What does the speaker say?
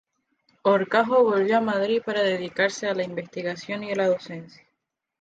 Horcajo volvió a Madrid para dedicarse a la investigación y la docencia.